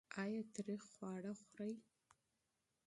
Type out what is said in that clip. ایا تریخ خواړه خورئ؟